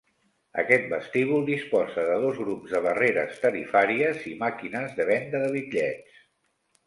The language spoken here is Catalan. Aquest vestíbul disposa de dos grups de barreres tarifàries i màquines de venda de bitllets.